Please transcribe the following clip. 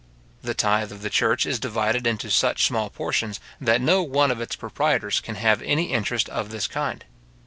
The tythe of the church is divided into such small portions that no one of its proprietors can have any interest of this kind.